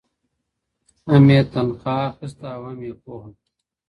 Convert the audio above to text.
هم یې تنخوا اخیسته او هم یې پوهه.